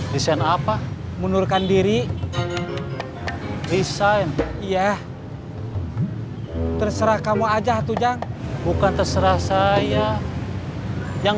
desain apa mundurkan diri desain iya terserah kamu aja bukan terserah saya yang